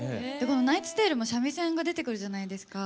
「ナイツ・テイル」も三味線が出てくるじゃないですか。